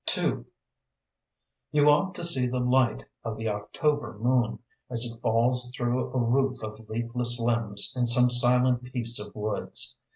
II You ought to see the light of the October moon, as it falls through a roof of leafless limbs in some silent piece of woods.